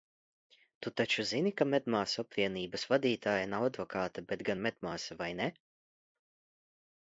Tu taču zini, ka medmāsu apvienības vadītāja nav advokāte, bet gan medmāsa, vai ne?